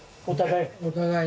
お互い。